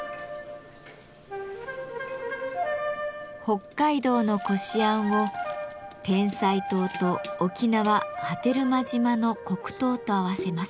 北海道のこしあんをてんさい糖と沖縄・波照間島の黒糖と合わせます。